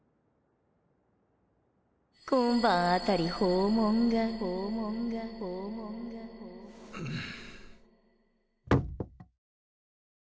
今晩あたり訪問が訪問が訪問がうぅ。